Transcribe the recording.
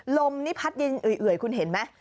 ลมนี่พัดดินเอื่อยคุณเห็นไหม